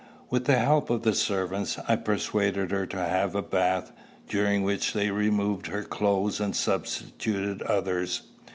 With the help of the servants, I persuaded her to have a bath, during which they removed her clothes, and substituted others.